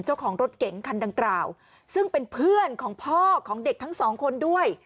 เจ้าของรถเก๋งคันดังกล่าวซึ่งเป็นเพื่อนของพ่อของเด็กทั้งสองคนด้วย